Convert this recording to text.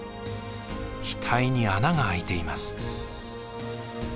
額に穴が開いています。